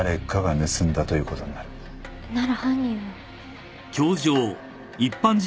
なら犯人は。